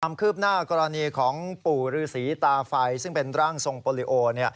คืบหน้ากรณีของปู่ฤษีตาไฟซึ่งเป็นร่างทรงโปรลิโอ